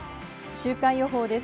週間予報です。